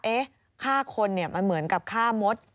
ฆ่าคนเนี่ยมันเหมือนกับฆ่ามด